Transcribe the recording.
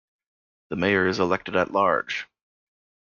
The Mayor is elected at large.